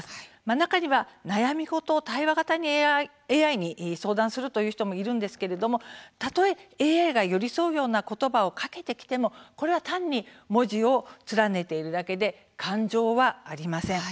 中には、悩み事を対話型ＡＩに相談するという人もいるんですけれどもたとえＡＩが寄り添うような言葉をかけてきてもこれは単に文字を連ねているだけで感情はありません。